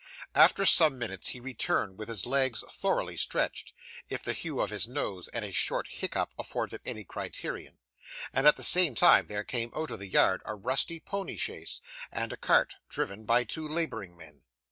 After some minutes, he returned, with his legs thoroughly stretched, if the hue of his nose and a short hiccup afforded any criterion; and at the same time there came out of the yard a rusty pony chaise, and a cart, driven by two labouring men.